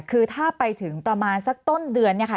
คือถ้าไปถึงประมาณสักต้นเดือนเนี่ยค่ะ